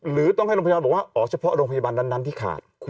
หรือต้องให้โรงพยาบาลบอกว่าอ๋อเฉพาะโรงพยาบาลนั้นที่ขาด